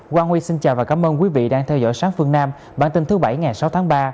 quang huy xin chào và cảm ơn quý vị đang theo dõi sát phương nam bản tin thứ bảy ngày sáu tháng ba